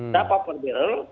kenapa pak dirjen